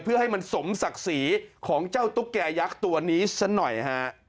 เพื่อให้มันสมศักดิ์ศรีของเจ้าตุ๊กแก่ยักษ์ตัวนี้ซะหน่อยฮะ